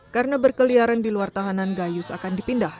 karena berkeliaran di luar tahanan gayus akan dipindah